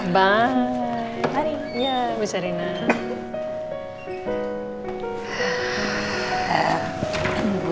gak ada yang belum